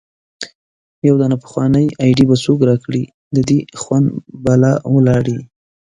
يو دانه پخوانۍ ايډي به څوک را کړي د دې خوند بالا ولاړی